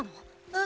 え？